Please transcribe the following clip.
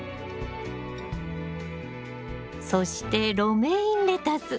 そしてロメインレタス。